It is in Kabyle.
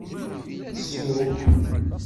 Isuɣ.